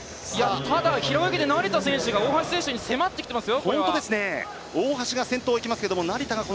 平泳ぎで成田選手が大橋選手に迫ってきてますよ。